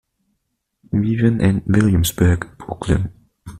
Viven en Williamsburg, Brooklyn.